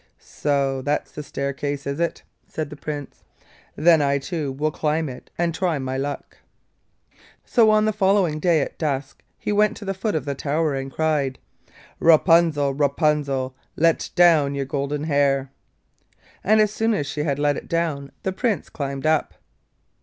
'So that's the staircase, is it?' said the Prince. 'Then I too will climb it and try my luck.' So on the following day, at dusk, he went to the foot of the tower and cried: 'Rapunzel, Rapunzel, Let down your golden hair,' and as soon as she had let it down the Prince climbed up.